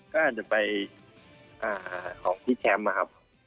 ก็อาจจะไปของพี่แชมป์นะครับ